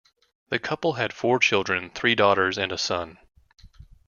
The couple had four children, three daughters and a son.